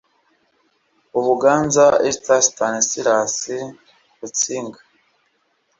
UbuganzaEst Stanislasi Rutsinga